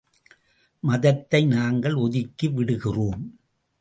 மதத்தை நாங்கள் ஒதுக்கி விடுகிறோம்.